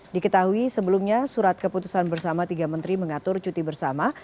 diketahui sebelumnya surat keputusan bersama tiga menteri mengatur cuti bersama